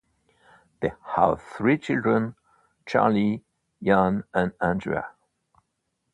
They have three children; Charlie, Ian and Andrea.